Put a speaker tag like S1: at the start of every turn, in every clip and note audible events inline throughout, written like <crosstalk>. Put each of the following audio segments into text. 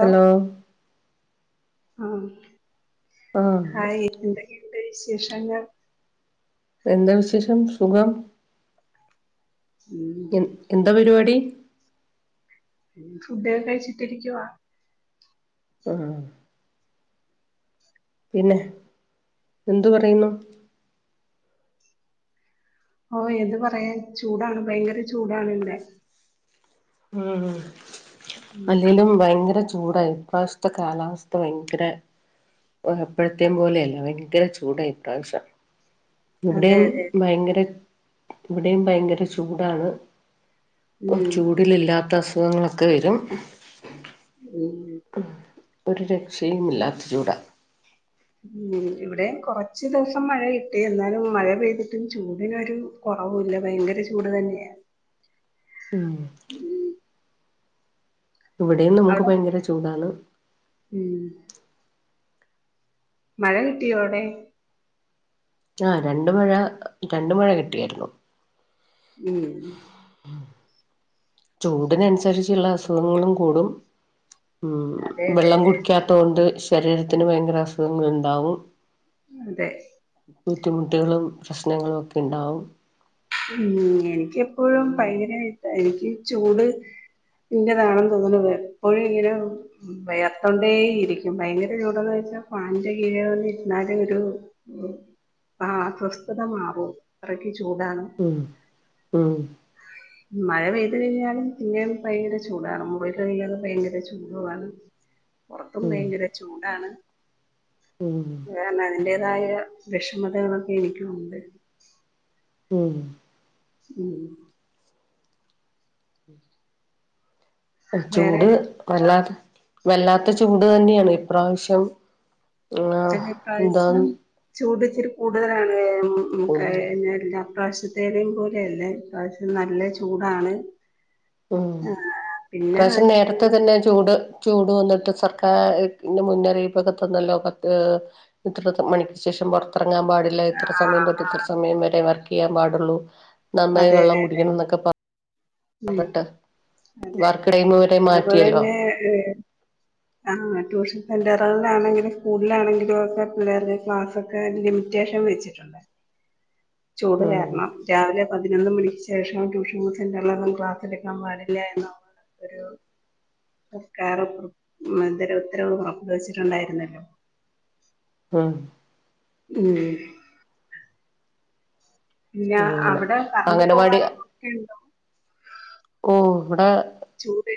S1: Hello
S2: ആഹ്
S1: ആഹ്
S2: hi എന്തൊക്കെണ്ട് വിശേഷങ്ങൾ
S1: എന്താ വിശേഷം സുഖം
S2: ഉം
S1: എ എന്താ പരിപാടി?
S2: പി ഫുഡൊക്കെ കഴിച്ചിട്ടിരിക്കുവാ
S1: ആഹ് പിന്നെ എന്ത്‌ പറയുന്നു.
S2: ഓ എന്തു പറയാൻ. ചൂടാണ് ഭയങ്കര ചൂടാണ് ഇവിടെ
S1: ഉം
S2: ഉം
S1: അല്ലെലും ഭയങ്കര ചൂ ചൂട് ഇപ്രാവശത്തെ കാലാവസ്ഥ ഭയങ്കര ഓ എപ്പോഴത്തേ പോലെയല്ല ഭയങ്കര ചൂടാ ഇപ്രാവശ്യം.
S2: അതെ
S1: ഇവിടെയും
S2: അതെ
S1: ഭയങ്കര ഇവിടെയും ഭയങ്കര ചൂടാണ്. പ്പം
S2: ഉം
S1: ചൂടിലില്ലാത്ത അസുഖങ്ങളൊക്കെ വരും.
S2: ഉം
S1: ഉം ഒരു രക്ഷയുമില്ലാത്ത ചൂടാ
S2: ഉം ഇവിടെ കൊറച്ച് ദിവസം മഴ കിട്ടി. എന്നാലും മഴ പെയ്തിട്ടും ചൂടിനൊരു കൊറവൂല്ല ഭയങ്കര ചൂട് തന്നെയാ
S1: ഉം ഇവിടേം നമുക്ക്
S2: അവിടെ
S1: ഭയങ്കര ചൂടാണ്.
S2: ഉം മഴ കിട്ടിയോ അവിടെ
S1: ആഹ് രണ്ട് മഴ രണ്ട് മഴ കിട്ടിയായിരുന്നു.
S2: ഉം
S1: ചൂടിനനുസരിച്ചുള്ള അസുഖങ്ങളും കൂടും. ഉം
S2: അതെ അതെ
S1: വെള്ളം
S2: അതെ
S1: കുടിക്കാത്ത തോണ്ട് ശരീരത്തിന് ഭയങ്കര അസുഖങ്ങൾ ഉണ്ടാവും.
S2: അതെ
S1: ബുദ്ധിമുട്ടുകളും പ്രശ്നങ്ങളും ഒക്കെയുണ്ടാക്കും.
S2: ഉം എനിക്കിപ്പോഴും
S1: അങ്ങനെയാണ്
S2: ഭയങ്കരമായിട്ട് എനിക്ക് ചൂട് നിന്റെതാണെന്ന് തോന്നുന്നത്. എപ്പോഴും ഇങ്ങനെ വിയർത്തോണ്ടെ ഇരിക്കും. ഭയങ്കര ചൂടെന്ന് വെച്ചാ ഫാനിൻ്റെ കീഴില് വന്ന് ഇരുന്നാലെ ഒരു ആ അശോസ്ഥത മാകും. അത്രക്ക് ചൂടാണ്.
S1: ഉം ഉം
S2: മഴ പെയ്ത് കഴിഞ്ഞാലും പിന്നെയും ഭയങ്കര ചൂടാണ്. മുകളിലത്തെ നിലയിൽ ഭയങ്കര ചൂടും ആണ്.
S1: <unintelligible>
S2: പുറത്തും
S1: ഉം
S2: ഭയങ്കര ചൂടാണ്
S1: ഉം
S2: കാരണം അതിന്റേതായ വിഷമതകളൊക്കെ എനിക്കുമുണ്ട്
S1: ഉം
S2: ഉം വേറെ
S1: ചൂട് വല്ലാത്ത വല്ലാത്ത ചൂട് തന്നെയാണ് ഇപ്രാവശ്യം ആഹ്
S2: അല്ല ഇപ്രാവശ്യം
S1: എന്താന്ന്
S2: ചൂട് ഇച്ചരി കൂടുതലാണ് എങ്ങ
S1: കൂടുതല്
S2: <unintelligible> ഈ പ്രാവശ്യത്തേനും പോലെയല്ല ഈ പ്രാവശ്യം നല്ല ചൂടാണ്
S1: ഉം
S2: ആ
S1: ഈ
S2: പിന്നെ ആ
S1: പ്രാവശ്യം
S2: ചൂ
S1: നേരത്തെ തന്നെ ചൂട് ചൂട് വന്നട്ട് സർക്കേ മുന്നറീപ്പൊക്കെ തന്നല്ലോ ഇത്ര മണിക്ക് ശേഷം വ ത്തിറങ്ങാൻ പാടില്ല
S2: ആ
S1: ഇത്ര സമയം തൊട്ട്
S2: ആ,
S1: ഇത്ര സമയം വരെ വർക്ക്യ്യാൻ പാടുള്ളൂ നന്നായി
S2: അതെ
S1: വെള്ളം
S2: അതെ അതെ
S1: കുടിക്കണം എന്നൊക്കെ
S2: ഉം
S1: പറഞ്ഞിട്ട്
S2: അതെ
S1: വർക്ക് ടൈം വരെ മാറ്റിയല്ലോ
S2: അതുപോലെതന്നെ ഏഹ് ആ ട്യൂഷൻ സെന്ററിലാണെങ്കിലും സ്കൂളിലാണകിലും ഒക്കെ പിള്ളേരുടെ ക്ലാസ്ക്കെ ലിമിറ്റേഷൻ വെച്ചിട്ടുണ്ട്
S1: <unintelligible>
S2: ചൂട് കാരണം രാവിലെ പതിനൊന്ന് മണിക്ക് ശേഷം ട്യൂഷൻ സെന്റർ അന്നേരം ക്ലാസ്സെടുക്കാൻ പാടില്ലെന്നോ ഒരു സർക്കാർ ഉത്തരവ് പുറപ്പെടുവിച്ചിട്ടുണ്ടായിരുനല്ലോ
S1: ഉം
S2: ഉം പിന്നെ
S1: അങ്ങനെ
S2: അവിടെ കറണ്ട്
S1: അംഗനവാടി
S2: പോകാറൊക്കെ ഉണ്ടോ
S1: ഓ ഇവിടെ
S2: ചൂട്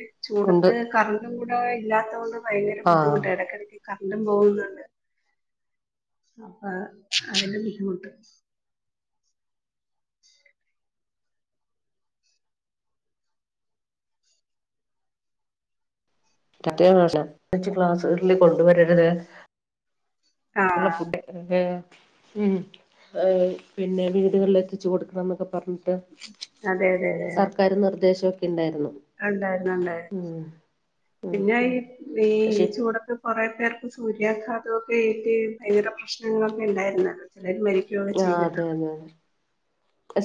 S1: ഉണ്ട്
S2: ചൂടത്ത് കറണ്ട് കൂടെ ഇല്ലാത്തകൊണ്ട് ഭയങ്കര
S1: ആഹ്
S2: ബുദ്ധിമുട്ട എടക്കിടക്ക് കറണ്ടും പോകുന്നുണ്ട് അപ്പൊ അതിന്റെ ബുദ്ധിമുട്ട്
S1: ച് ക്ലാസ്സ് കൊണ്ട് വരരുത് ക്ക്ള്ള
S2: ആഹ്
S1: ഫുഡ് ഉം പിന്നെ വീടുകളു എത്തിച്ചു കൊടുക്കണന്നക്കെ പറഞ്
S2: അതെ അതെ
S1: സർക്കാര് നിർദ്ദേശക്കെണ്ടായിരുന്നു
S2: ഉണ്ടായിരുന്നുണ്ടായിരുന്നു
S1: ഉം
S2: പിന്നെ
S1: ഉം
S2: ഈ
S1: പക്ഷെ
S2: ഈ ചൂടത്ത് കുറെ പേർക്ക് സൂര്യാഘാതക്കെ ഏറ്റ് ഭയങ്കര പ്രശ്നങ്ങളൊക്കെ ഉണ്ടായിരുന്നല്ലോ ചിലർ മരി
S1: ആ അതെ അതെ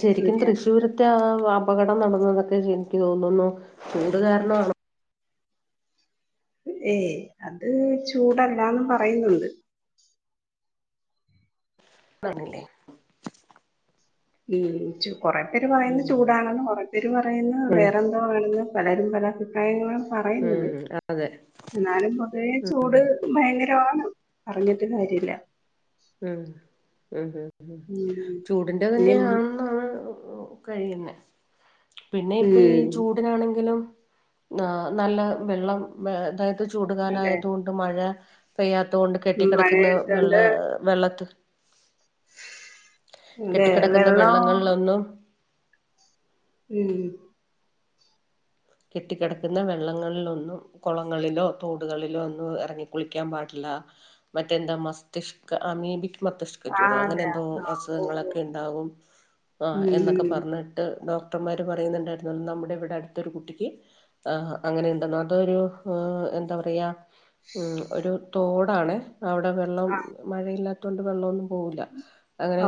S1: ശരിക്കും
S2: സൂര്യ
S1: തൃശ്ശൂർ റ്റാഅപകടം നടന്നതൊക്കെനിക്ക് തോനുന്നു ചൂട്കാരണണ്
S2: ഏയ് അത്ചൂടല്ലാന്ന് പറയുന്നുണ്ട്
S1: നാണല്ലേ
S2: ഉം കൊറെപേര്
S1: ഉം
S2: പറയുന്ന്ചൂടാണെന്ന് കൊറപേര്പറയുന്ന്
S1: ഉം
S2: വേറെ <unintelligible> ആണെന്ന് പലരുംപലഅഭിപ്രായങ്ങളും പറയുന്നത്
S1: ഉം അതെ
S2: ന്നാലും
S1: ഉം
S2: കൊറേചൂട് ഭയഗ്വരാണ് പറഞ്ഞിട്ട് കാര്യല്ല്യ
S1: ഉം ഉം
S2: ഉം
S1: ചൂടിന്റെ
S2: ഇനി
S1: തന്നെയാണ് ആ കഴിയുന്നെ പിന്നെ ഇപ്പയി ഈ
S2: ഉം
S1: ചൂ നാണെങ്കിലും ആ നല്ല വെള്ളം വേതായത്
S2: അതെ
S1: ചൂടുകാലയതുകൊണ്ട് മഴ പെയ്യാതോണ്ട് കെട്ടികെടക്കുന്ന
S2: മഴയത്തുണ്ട്
S1: വെള്ളാ വെള്ളത്ത്
S2: അതെ
S1: കെട്ടിക്കിടക്കുന്ന
S2: വെള്ളം
S1: വെള്ളങ്ങളിലൊന്നും
S2: ഉം
S1: കെട്ടികെടക്കുന്ന വെള്ളങ്ങളിലൊന്നും കൊളങ്ങളിലോ തോടുകളിലോന്നും എറങ്ങി കുളിക്ക്യാൻ പാടില്ല മറ്റെന്താമസ്തിഷ്ക അമീബിക് മസ്തിഷ്ക
S2: ആ
S1: ജ്വാരോ
S2: അതെ
S1: അങ്ങനെന്തോ
S2: ആ ഓ ഓ
S1: അസുഖങ്ങളൊക്കെ ഇണ്ടാവും ആഹ്
S2: ഉം
S1: എന്നൊക്കെ
S2: ഉം
S1: പറഞ്ഞിട്ട് ഡോക്ടർമാര് പറയുന്നുണ്ടാര്ന്നു നമ്മുടെ ഇവടെ അടുത്തൊരു കുട്ടി ആഹ് അങ്ങനെഇണ്ട്നാതൊരു എന്താ പറയാമം ഒരു തോടാണ് അവ്ടെ വെള്ളം
S2: ആ
S1: മഴയില്ലാതോണ്ട് വെള്ളോന്നും പോവുല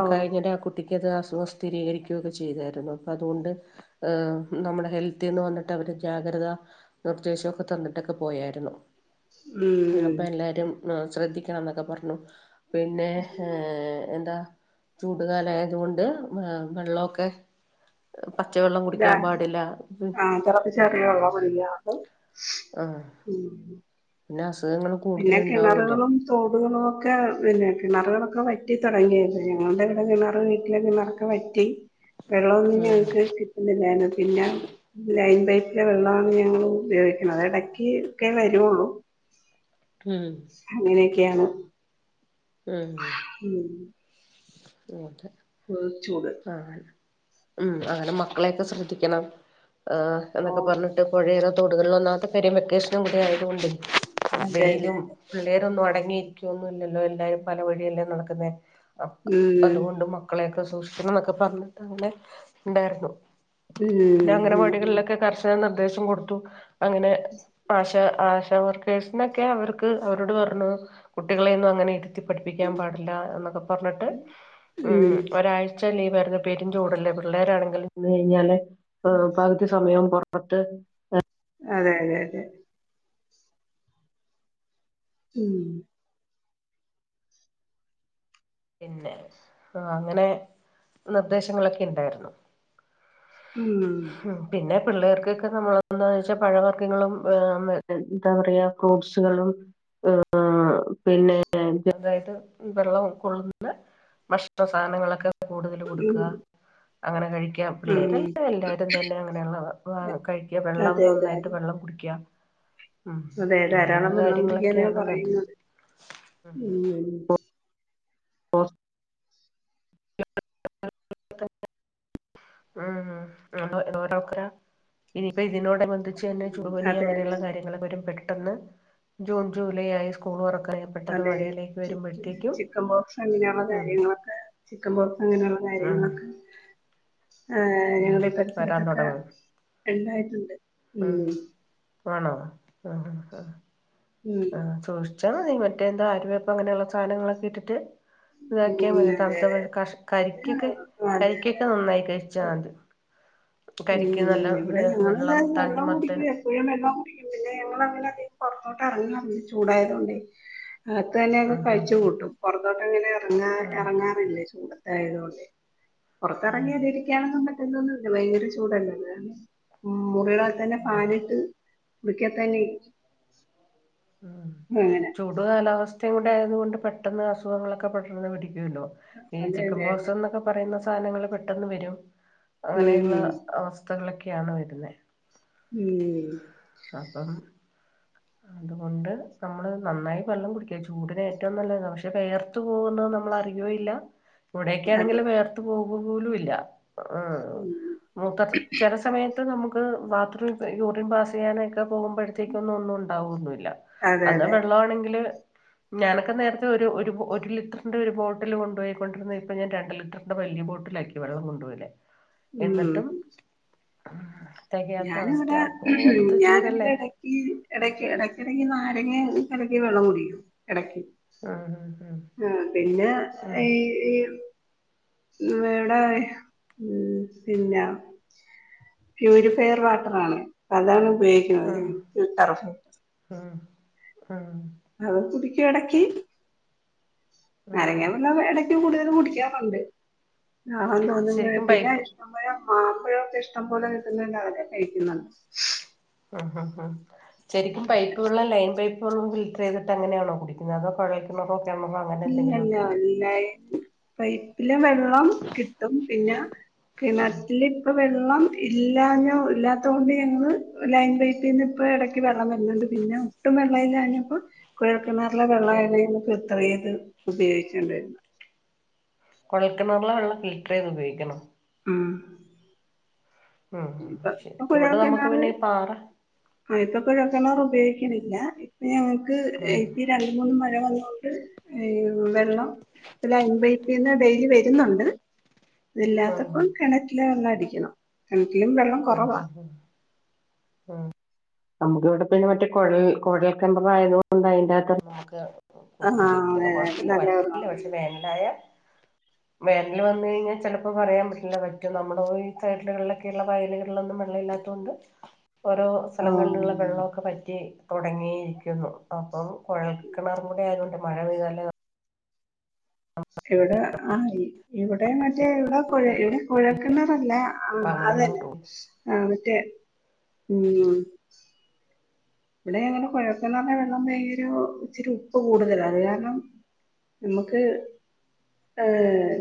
S2: ഓ
S1: ആഹ് കുട് ഇക്കത്അസുഖം സ്ഥിരീകരിക്കുകഒക്കെ ചെയ്തേര്ന്നു പ്പഅതോണ്ട് നമ്മുടെ ഹെൽത്ത്ൽന്ന് വന്നി ട്ടഅവര് ജാഗ്രത നിർദ്ദേശോക്കെ തന്നിട്ടൊക്കെ പോയാരുന്നു
S2: ഉം ഉം.
S1: അപ്പ എല്ലാരും ശ്രദ്ധിക്കണംന്നൊക്കെ പറഞ്ഞു പിന്നെ ഏ എന്താ ചൂടുകാലായതുകൊണ്ട് വെള്ളോക്കെ പച്ചവെള്ളം കുടിക്ക്യാൻ പാടില്ല
S2: ചെറിയ അളവില്ലാതെ
S1: ആഹ് ന്നാ അസുഖങ്ങളും
S2: പിന്നെ കിണറുകളും തോടുകളൊക്കെ പിന്നെ കിണറുകളൊക്കെ വറ്റി തൊടങ്ങി ഞങ്ങള്ടെ കിണർവീട്ടിലെ കിണറൊക്കെവറ്റ് വെള്ളോന്നും
S1: ഉം
S2: ഞങ്ങ്ക്ക്കിട്ടുന്നില്ലാനു പിന്നെ ലൈൻ പൈപ്പിലെ വെള്ളാണ് ഞങ്ങള് ഉപയോഗിക്ക്‌ണത്എടക്ക്ക്കെ വരൊള്ളൂ
S1: ഉം
S2: അങ്ങനെയൊക്കെയാണ്
S1: ഉം
S2: ഉം
S1: <inaudible>
S2: <unintelligible> ചൂട്
S1: ആഹ് ഉം അങ്ങനെ മക്കളെയൊക്കെ ശ്രദ്ധിക്കണം ആഹ്
S2: ഓ
S1: എന്നൊക്കെപർന് പൊഴേടെ തൊടുകളോന്നാത്തെ പെരേവെക്കേഷനും കൂടി ആയത്കൊണ്ട്
S2: അതെ അതെ
S1: വെയ്ലും
S2: അതെ
S1: പിള്ളേരൊന്നും അടങ്ങിയിരിക്കുവോന്നുഇല്ലല്ലോ എല്ലാരുംപലവഴിയെല്ലേനടക്കുന്നെ അപ
S2: ഉം
S1: അതുകൊണ്ട് മക്കളെക്കെ സൂക്ഷിക്കണം എന്നൊക്കെ പറഞ്ഞിട്ട് അങ്ങനെണ്ടാര്ന്നു
S2: ഉം
S1: പിന്നെ അങ്ങനെ
S2: ഉം ഉം
S1: വട്‌കളിലൊക്കെ കർശന നിർദേശം കൊടുത്തു അങ്ങനെസ്പാശ് ആഷാവർക്കേഴ്സിനൊക്കെ അവർക്ക് അവരോട്പർണുകുട്ടികളെയൊന്നും അങ്ങനെരി ഇര്ത്തിപഠിപ്പിക്ക്യാപാടില്ല എന്നൊക്കെ പർഞ്ട്ട് ഉം ഒരാഴ് ലീവേർന്ന് പെരുംചൂടല്ലേ പിള്ളേരാണെങ്കിൽ ഇന്ന് കയ്ഞ്ഞാല് പ സമയം പൊറപത്ത്
S2: അതെതെതെ ഉം
S1: പിന്നെ ആങ്ങനെ നിർദേശങ്ങളൊക്കെ ഇണ്ടാര്ന്നു
S2: ഉം
S1: ഉം പിന്നെ പിള്ളേർക്കക്കെ നമ്മൾ എന്താ വെച്ചാ പഴവർഗ്ഗങ്ങളും എന്താപറയാ ഫ്രൂട്ട്സ്കളും പിന്നെ ചെർതായിട്ട് വെള്ളവും കൊള്ളുന്ന ഭക്ഷണ സാധനങ്ങളൊക്കെ കൂടുതൽ
S2: ഉം
S1: കൊടുക്കുക അങ്ങനെ കഴിക്കുക പിള്ളേരെ
S2: ഉം
S1: എല്ലാം എല്ലാവരും തന്നെ അങ്ങനെയുള്ള
S2: അതെ
S1: കഴിക്കുക വെള്ളം
S2: അതെ അതെ
S1: നന്നായിട്ട് വെള്ളം കുടിക്കുക ഉ
S2: അതെ ധാരാളം വെള്ളം കുളിക്കാന
S1: നത്
S2: പറയുന്നത് ഉം
S1: ഓസ് ഉം ഓരോക്കരാ ഇനിപ്പോ ഇതിനോടബന്ധിച്ച്ന്നെ ജൂണിനീ
S2: അതെ അതെ
S1: അങ്ങനെയുള്ള കാര്യങ്ങള പെട്ടെന്ന് ജൂൺ ജൂലൈ ആയി സ്കൂൾറക്ക
S2: അതെ ചിക്കൻ ബോക്സ് അങ്ങനെയുള്ള
S1: ഉം
S2: കാര്യങ്ങളൊക്കെ ചിക്കൻ ബോക്സ് അങ്ങനെയുള്ള
S1: ഉം
S2: കാര്യങ്ങളൊക്കെ ആഹ്
S1: ഉം
S2: ഞങ്ങള
S1: വരാൻ
S2: പരിസരത്തൊക്കെ
S1: തുടങ്ങും
S2: ഉണ്ടായിട്ട്ണ്ട് ഉം
S1: ആണോ ആഹ് ആഹ്
S2: ഉം
S1: ആഹ് സൂക്ഷിച്ചാൽ മതി മറ്റേ എന്താ ആര്വയപ്പ് അങ്ങനെയുള്ള സാധനങ്ങളൊക്കെ ഇട്ടിട്ട് ഇതാക്കിയാൽ
S2: ഉം
S1: മതി
S2: അതെ അതെ
S1: തണുത്തെ കഷ
S2: ആ,
S1: കരിക്കൊക്കെ
S2: അതെ അതെ
S1: കരിക്കൊക്കെ
S2: അതെ
S1: നന്നായി കഴിച്ചാൽ മതി കരിക്ക് നല്ല
S2: ഉം ഇവിടെ
S1: വെ
S2: ഞങ്ങള് വെള്ളം
S1: തണ്ണിമത്തൻ
S2: കുടിക്കുവേ പുഴെമ്മ കുടിക്കും പിന്നെ ഞമ്മൾങ്ങനെ അധികം പുറത്തോട്ട് ഇറങ്ങില്ല ചൂടായതൊണ്ടയ് അകത്ത് തന്നെയൊക്കെ
S1: ഉം ഉം
S2: കഴിച്ചു
S1: ഉം
S2: കൂട്ടും പുറത്തോട്ട് ഇങ്ങനെ എറങ്ങാ
S1: ഉം
S2: എറങ്ങാറില്ല ചൂട തൊണ്ട്
S1: ഉം
S2: പുറത്തിറങ്ങി ഇതിരിക്കണെന്നും പറ്റുന്നൊന്ന ഭയങ്ക ചൂടല്ലല്ലേ മുറികളക തന്നെ
S1: ഉം
S2: പാനിട്ട് മുറിക്ക തന്നെ
S1: ഉം
S2: അങ്ങനെ
S1: ചൂട് കാലാവസ്ഥയും കൂടെ ആയത് കൊണ്ട് പെട്ടെന്ന് അസുഖങ്ങളൊക്കെ പെട്ടെന്ന് പിടിക്കല്ലോ ഈ
S2: അതെ
S1: ചിക്കൻ
S2: അതെ
S1: ബോക്സ്
S2: അതെ
S1: എന്നൊക്കെ പറയുന്ന സാധനങ്ങള് പെട്ടെന്ന് വരും അങ്ങനെയുള്ള
S2: ഉം
S1: അവസ്ഥ അവസ്തകളൊക്കെയാണ് വരുന്നത്
S2: ഉം
S1: അപ്പം അതുകൊണ്ട് നമ്മൾ നന്നായി വെള്ളം കുടിക്കുക ചൂടന് ഏറ്റവും നല്ലത്അതാ പക്ഷേ വേർത്ത് പോകുന്നത് നമ്മള അറിയോയില്ല ഇവിടെക്കെയ ആണെങ്കിൽ
S2: അതെ
S1: വേർത്ത് പോക പോലും ഇല്ല ആഹ്
S2: ഉം
S1: മൂത്ര ചെല സമയത്ത് നമുക്ക് ബാത്രറൂം യൂറിൻപാസ്സ് ചെയ്യാനൊക്കെ പോകുമ്പോഴത്തേക്ക ഒന്നും ഒന്നും ഉണ്ടാവന്നില്ല
S2: അതെ
S1: അന്ന്
S2: അതെ
S1: വെള്ള ആണെങ്കില് ഞാനൊക്കെ നേരത്തെ ഒരു ഒരു ലിറ്ററിൻ് ഒരു ബോട്ടിൽ കൊണ്ടു പോയിണ്ടിരുന്ന ഇപ്പോ ഞാൻ രണ്ട് ലിറ്ററിൻ് വലിയ ബോട്ടില ആക്കി വെള്ളം കൊണ്ടപോലേ
S2: ഉം
S1: എന്നിട്ടും തെകയാത്ത അവസ്ഥ യാകൊ
S2: ഈ എടക്ക് എടക്കടക്ക് നാരങ്ങി കലക്കി വെള്ളം കുടിക്കും എടയ്ക്ക്
S1: ഉം ഉം
S2: ആഹ് പിന്നെ
S1: ഉം ഉം
S2: ഈ ഇവടെ ഉം പിന്നെ <unintelligible> ഫെയർ വാട്ടർ ആണ് <unintelligible> അ അതാണ് ഉപയോഗിക്കുന്നത്ഫ
S1: ആഹ് ആഹ്
S2: അവ കുടിക്കും എടക്കി
S1: ഉം
S2: നരങ്ങാ വെള്ളംമെ ടക്കി കൂടുതൽ കുടിക്കാറുണ്ട് ആഹ് ദാഹംതോന്നുബൊ
S1: ശരിക്കും
S2: പിന്നെ
S1: പൈപ്പ്
S2: നമ്മള് മാമ്പഴൊക്കെ ഇഷ്ടം പോലെ കിട്ടുന്നണ്ട് അതൊക്കെ കഴിക്കുന്നുണ്ട്
S1: ആ ഹ് ശരിക്കും പൈപ്പ് വള്ളം ലൈൻ പൈപ്പ് ഫിൽട്ടർ ചെയ്തിട്ടങ്ങനാണോ കുടിക്കുന്നത് അതൊകുഴ ലൊ കെണറൊഅങ്ങൻ
S2: ഇല്ല ഇല്ലല്ല ലൈൻ പൈപ്പില് വെള്ളം കിട്ടും പിന്നെ കിണറ്റില് ഇപ്പ വെള്ളം ഇല്ലാഞ്ഞോ ഇല്ലാത്തൊണ്ട് ഞങ്ങള് ലൈൻ പൈപ്പീന്ന് ഇപ്പ എടക്ക് വെള്ളം വരുന്നുണ്ട് പിന്നെ ഒട്ടും വെള്ളയിഞ്ഞപ്പോ കുഴക്കിണാറിലെ വെള്ള
S1: ഉം
S2: ആപ്പോ ഇത്രയും ഇത് ഉപയോഗിക്ക്ണ്ട്
S1: കൊഴല്ക്കണറിലെ വെള്ളം ഫിൽട്ടർ ചെയ്ത് ഉപയോഗിക്കണം
S2: മ്
S1: ഉം ശരി ഇവിടെ നമ്മുക്ക് പിന്നെഈ പാറ
S2: ആഹ് ഇപ്പൊ കൊഴൽക്കെണർ ഉപയോഗിക്കുന്നില്ല ഇപ്പൊ ഞങ്ങക്ക്
S1: ഉം
S2: ഇപ്പ രണ്ട മൂന്ന് മഴ വന്നോണ്ട് വെള്ളംലൈൻ പൈപ്പിന്ന് ഡെയിലി വരുന്നുണ്ട്
S1: ഉം
S2: അതില്ലാത്തപ്പോൾ കെണറ്റിലെ വെള്ളം അടിക്കണം. കിണറ്റിലും വെള്ള
S1: ഉം നമ്മുക്ക് ഇവിടെ പ്പെ മറ്റ കുഴൽ കുഴൽ കിണറായതുകൊണ്ട് അതിന്റെകത്ത് നമുക്ക്
S2: ആഹ് അതെ നല്ലതാണ്
S1: വേനലായ വേനൽ വന്ന കഴിഞ്ഞാ ചിലപ്പോ പറയാൻ പറ്റില്ല പറ്റും നമ്മടെ ഈ സൈഡിലുകളിലൊക്കെയുള്ള വയലുകളിലൊന്നും വെള്ളം ഇല്ലാത്തുകൊണ്ട് ഓരോ സ്ഥലങ്ങളിലുള്ള
S2: ആഹ്
S1: വെള്ളമൊക്കെ പറ്റി തൊടങ്ങിയിരിക്കുന്നു അപ്പം കുഴൽക്കിണറുകൂടെ ആയതുകൊണ്ട് മഴ പെയ്താല്
S2: ഇവിടെ ആയി- ഇവിടെ മറ്റേ ഇവിടെ കു ഇവിടെ കുഴക്കിണറല്ല
S1: അപ്പ
S2: ആഹ് അത്
S1: അങ്ങനെയുള്ള
S2: തന്നെ ആഹ് മറ്റേ ഉം ഇവിടെ അങ്ങനെ കുഴൽ കിണറിന്റെ വെള്ളം മേയൊരു ഇച്ചിരി ഉപ്പ് കൂടുതലാഅത് കാരണം നമ്മുക്ക് ആഹ്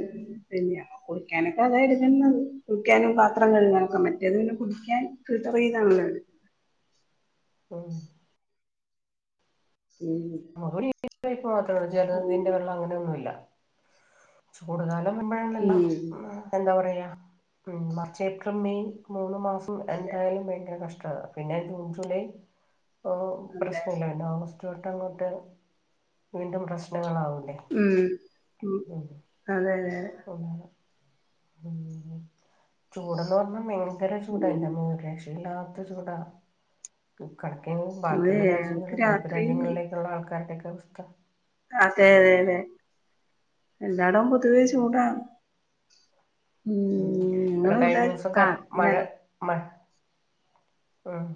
S2: പിന്നെ കുളിക്കാനൊക്കെ അതാ എടുക്കുന്നത്. കുളിക്കാനും, പാത്രം കഴുകാനൊക്കെ മറ്റേത് പിന്നെ കുടിക്കാൻ ഫിൽട്ടർ ചെയ്താണല്ലോ എടുക്കുന്ന
S1: ഉം.
S2: ഉം
S1: അവിടെ ഈ പൈപ്പ് മാത്രമേ ഉള്ളു.
S2: അങ്ങനെ
S1: ജലനിധിന്റെവെള്ളം അങ്ങനെയൊന്നുല്ല. ചൂട കാലം വരുമ്പോഴാണല്ലോ
S2: ഉം
S1: മ്മ് എന്താ പറയ മാർച്ച്, ഏപ്രിൽ, മെയ്, മൂന്ന് മാസം
S2: അതെ
S1: എന്തായാലും ഭയങ്കര കഷ്ട പിന്നെ ജൂൺ, ജൂലൈ
S2: അതെ
S1: പ്രശ്നല്ല പിന്നെ ഓഗസ്റ്റ് അട്ടങ്ങോട്ട് വീണ്ടും പ്രശ്നങ്ങളാവൂലേ
S2: ഉം അതെ അതെ അതെ
S1: ചൂടാണ്. ചുടെന്നുപറഞ്ഞാ മേ ങ്കര ചൂടാ
S2: ഉം
S1: എന്റമ്മോ രക്ഷയില്ലാത്ത ചൂടാ. കണക്ക് തന്നെ
S2: അതെ
S1: ബാക്കിയുള്ള
S2: ഞങ്ങക്ക്
S1: രാജ്യങ്ങളും ഗൾഫ്
S2: രാത്രി
S1: രാജ്യങ്ങളിലേക്കുള്ള ആൾക്കാരുടെയൊക്കെ അവസ്ഥ
S2: അതെ അതെ അതെ എല്ലാടവും പൊതുവെ
S1: ഉം
S2: ചൂടാ.
S1: ഇവിടെ കഴിഞ്ഞ ദിവസം
S2: താ
S1: ക മഴ
S2: നില
S1: മഴ ഉം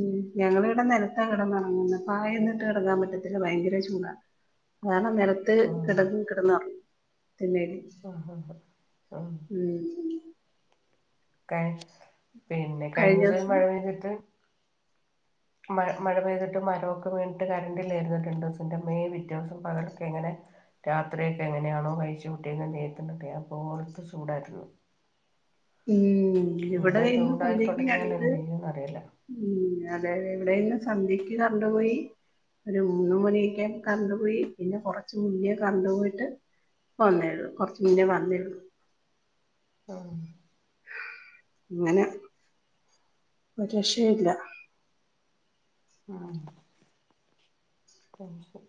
S2: ഉം ഞങ്ങിവിടെ നിലത്താ കിടന്നുറങ്ങുന്നത്. പായ് ഒന്നു ഇട്ട് കിടങ്ങാൻ പറ്റത്തില്ല ഭയങ്കര ചൂടാ. കാരണം നിലത്ത്
S1: ഉം
S2: കിടന്ന് കിടന്ന് ഉറങ്ങും തിണ്ണേല്
S1: ആഹ് ഹ് ആഹ്
S2: ഉം.
S1: കഴി പിന്നെ
S2: കഴിഞ്ഞ
S1: കഴിഞ്ഞുസം ഒരു
S2: ദിവസം
S1: മഴ പെയ്തിട്ട് മ മഴ പെയ്തിട്ട് മരമൊക്കെ വീണിട്ട് കണ്ടറില്ലായിരുന്നു രണ്ട് ദിവസം എന്റെ അമ്മേ പിറ്റേ ദിവസം പകലൊക്കെ എങ്ങനെ രാത്രിയൊക്കെ എങ്ങനെയാണോ കഴിച്ച് കൂട്ടിയത് ദൈവത്തിനറിയാം. അതു പോലത്തെ ചൂടായിരുന്നു.
S2: ഉം ഇവിടെ
S1: ഇങ്ങനെ
S2: ഇന്ന്
S1: ചൂടായി
S2: സന്ധ്യയ്ക്ക്
S1: തുടങ്ങിയാൽ
S2: രണ്ട്
S1: എന്ത് ചെയ്യുംന്ന് അറിയില്ല
S2: ഉം അതെതെ എവിടെ ഇന്ന് സന്ധ്യയ്ക്ക് കറണ്ടുപോയി. ഒരു മൂന്നു മണിയൊക്കെ കറണ്ടുപോയി. പിന്നെ കൊറച്ച് മുന്നേ കറണ്ടുപോയിട്ട് വന്നേയുള്ളൂ കുറച്ച് മുന്നേ വന്നേയുള്ളൂ.
S1: മ്മ്
S2: അങ്ങനെ ഒരുരക്ഷയുംഇല്ല
S1: ആഹ് <unintelligible>